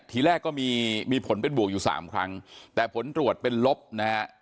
ทีแรกก็มีมีผลเป็นบวกอยู่สามครั้งแต่ผลตรวจเป็นลบนะฮะ